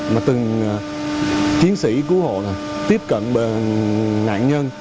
mà từng chiến sĩ cứu hộ tiếp cận nạn nhân